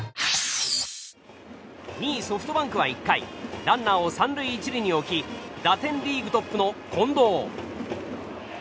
２位、ソフトバンクは１回ランナーを３塁１塁に置き打点リーグトップの近藤。